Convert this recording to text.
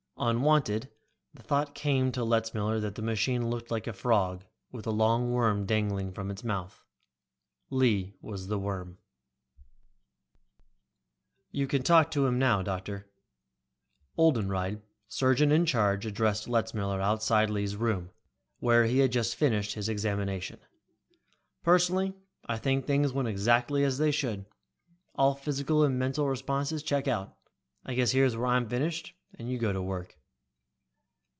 Unwanted, the thought came to Letzmiller that the machine looked like a frog with a long worm dangling from its mouth. Lee was the worm. "You can talk to him now, doctor." Oldenreid, Surgeon in Charge, addressed Letzmiller outside Lee's room where he had just finished his examination. "Personally, I think things went exactly as they should. All physical and mental responses check out. I guess here's where I'm finished and you go to work."